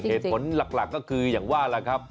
เหตุผลหลักก็คืออย่างว่าล่ะครับ